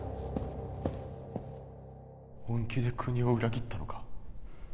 本気で国を裏切ったのか？